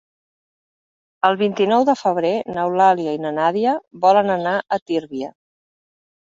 El vint-i-nou de febrer n'Eulàlia i na Nàdia volen anar a Tírvia.